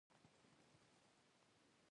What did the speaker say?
د محصل را پرځېده دي